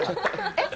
えっ？